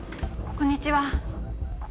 こんにちは。